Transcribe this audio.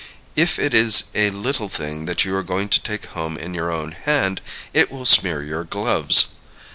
If it is a little thing that you are going to take home in your own hand, it will smear your gloves.